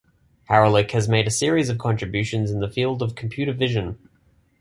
Haralick has made a series of contributions in the field of computer vision.